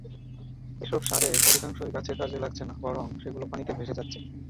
এসব সারের অধিকাংশই গাছের কাজে লাগছে না, বরং সেগুলো পানিতে ভেসে যাচ্ছে।